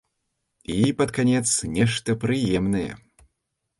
І, пад канец, нешта прыемнае.